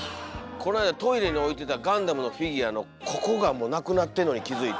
この間トイレに置いてたガンダムのフィギュアのここがもうなくなってんのに気付いて。